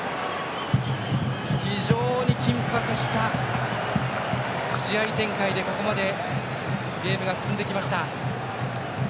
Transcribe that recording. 非常に緊迫した試合展開でここまでゲームが進んできました。